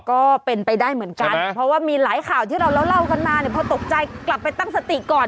ก็เป็นไปได้เหมือนกันเพราะว่ามีหลายข่าวที่เราเล่ากันมาเนี่ยพอตกใจกลับไปตั้งสติก่อน